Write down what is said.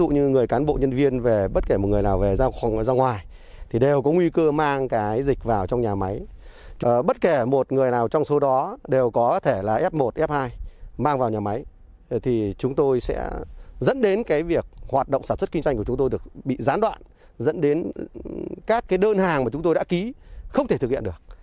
những việc hoạt động sản xuất kinh doanh của chúng tôi được bị gián đoạn dẫn đến các đơn hàng mà chúng tôi đã ký không thể thực hiện được